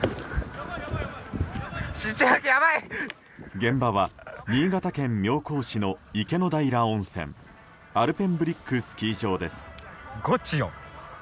現場は新潟県妙高市の池の平温泉アルペンブリックスキー場です。